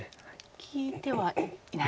利いてはいない。